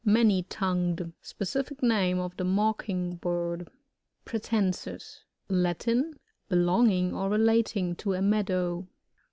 Many.tongued. Specific name of the Mocking bird. Pratb.nsis. — Latin. Belonging or relating to a meadow.